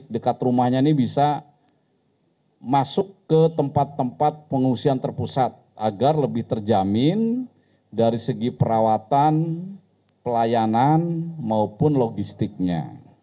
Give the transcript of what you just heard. dekat rumahnya ini bisa masuk ke tempat tempat pengungsian terpusat agar lebih terjamin dari segi perawatan pelayanan maupun logistiknya